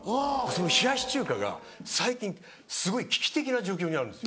その冷やし中華が最近すごい危機的な状況にあるんです。